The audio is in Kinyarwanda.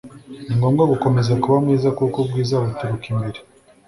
ni ngombwa gukomeza kuba mwiza kuko ubwiza buturuka imbere